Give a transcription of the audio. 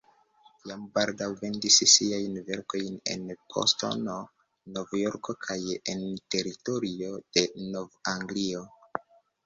Jam baldaŭ vendis siajn verkojn en Bostono, Nov-Jorko kaj en teritorio de Nov-Anglio.